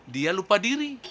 dia lupa diri